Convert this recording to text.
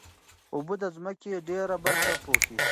اوبه د ځمکې ډېره برخه پوښي.